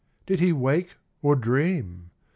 Did he wake or dream ?